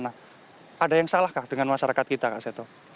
nah ada yang salahkah dengan masyarakat kita pak seto